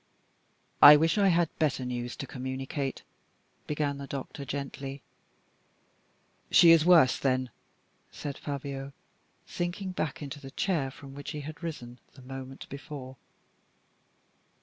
"I wish I had better news to communicate," began the doctor, gently. "She is worse, then?" said Fabio, sinking back into the chair from which he had risen the moment before.